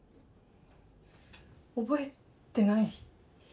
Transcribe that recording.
覚えてない。